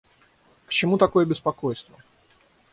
К чему такое беспокойство!